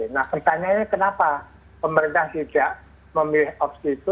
nah pertanyaannya kenapa pemerintah tidak memilih opsi itu